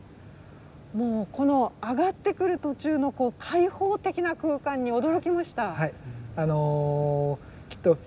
もうこの上がってくる途中の開放的な空間に驚きました。